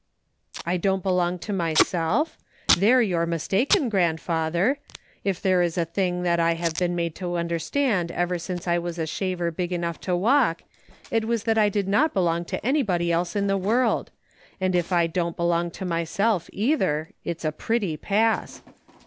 " I don't belong to myself } There you're mis taken, grandfather ; if there is a thing I have been made to understand ever since I was a shaver big enough to walk, it was that I did not belong to anybody else in this world ; and if I don't belong to myself, either, it's a pretty pass.